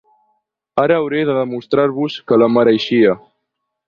Ara hauré de demostrar-vos que la mereixia.